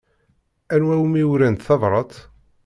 Anwa umi urant tabṛat?